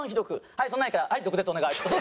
「はいそんなのいいからはい毒舌お願い」とか。